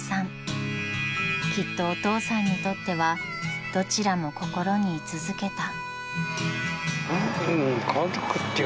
［きっとお父さんにとってはどちらも心に居続けた］